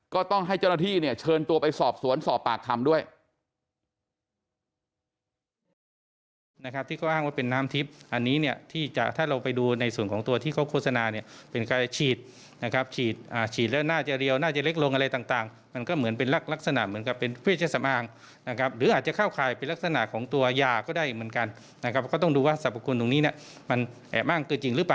ก็ต้องให้เจ้าหน้าที่เชิญตัวไปสอบสวนสอบปากคำด้วย